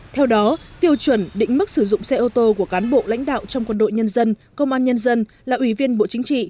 theo đó tiêu chuẩn định mức sử dụng xe ô tô của cán bộ lãnh đạo trong quân đội nhân dân công an nhân dân là ủy viên bộ chính trị